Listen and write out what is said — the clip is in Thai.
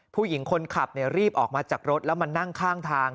ผู้หญิงคนขับรีบออกมาจากรถแล้วมานั่งข้างทาง